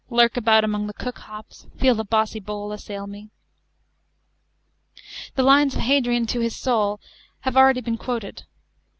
Lurk about among the cook. hops, Feel the bossy bowl assail me." The lines of Hadrian to his soul have already been quoted.